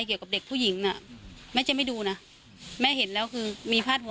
เกี่ยวกับเด็กผู้หญิงน่ะแม่ค่ะ